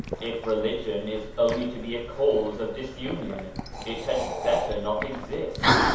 If religion is only to be a cause of disunion it had better not exist.